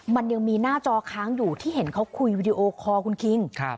มันยังมีหน้าจอค้างอยู่ที่เห็นเขาคุยวิดีโอคอร์คุณคิง